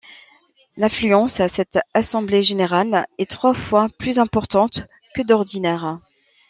L'affluence à cette assemblée générale est trois fois plus importante que d'ordinaire.